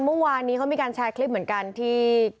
เมื่อวานนี้เขามีการแชร์คลิปเหมือนกันที่